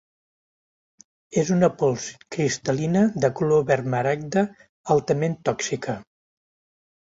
És una pols cristal·lina de color verd maragda altament tòxica.